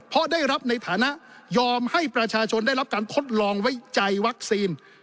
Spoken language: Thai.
เพราะได้รับในฐานะยอมให้ประชาชนได้รับการทดลองไว้ใจวัคซีน